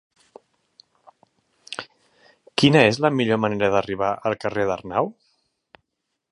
Quina és la millor manera d'arribar al carrer d'Arnau?